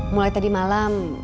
mulai tadi malam